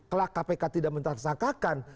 kelak kpk tidak mentersangkakan